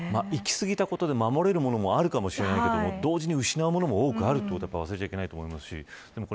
行き過ぎたことで守れるものもあるかもしれませんが失うものも多くあることは忘れていはいけないと思います。